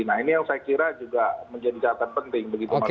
nah ini yang saya kira juga menjadi catatan penting begitu